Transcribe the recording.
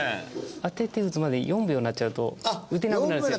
当てて打つまで４秒になっちゃうと打てなくなるんですよ。